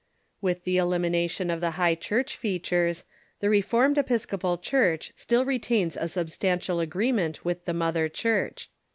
With the elimination of the High Church features, the Re formed Episcopal Church still retains a substantial agreement with the mother Church.